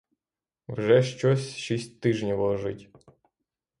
Вже щось шість тижнів лежить.